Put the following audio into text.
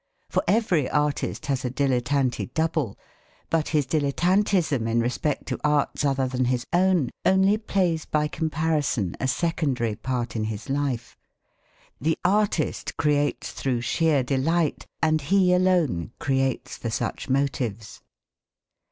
For every artist has a dilettante double. But his dilettantism in respect to arts other than his own only plays by comparison a secondary part in his life. The artist creates through sheer delight, and he alone creates for such motives.